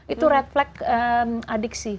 itu red flag adiksi